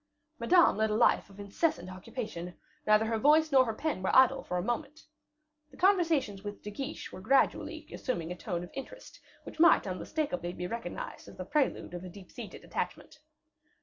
Madame led a life of incessant occupation; neither her voice nor her pen were idle for a moment. The conversations with De Guiche were gradually assuming a tone of interest which might unmistakably be recognized as the prelude of a deep seated attachment.